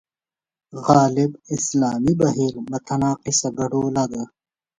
غالب اسلامي بهیر متناقضه ګډوله ده.